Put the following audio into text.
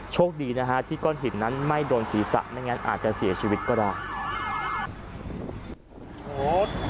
โชคดีนะฮะที่ก้อนหินนั้นไม่โดนศีรษะไม่งั้นอาจจะเสียชีวิตก็ได้